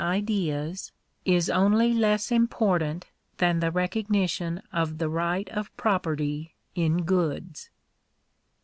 ideas, is only less important than the recognition of die right of property in goods.